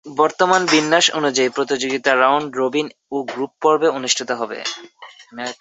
বর্তমান বিন্যাস অনুযায়ী প্রতিযোগিতা রাউন্ড রবিন ও গ্রুপ পর্বে অনুষ্ঠিত হবে।